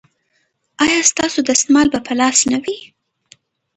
ایا ستاسو دستمال به په لاس نه وي؟